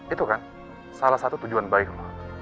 itu kan salah satu tujuan baik